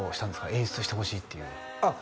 演出してほしいっていうあっ